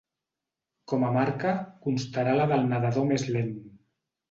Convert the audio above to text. Com a marca constarà la del nedador més lent.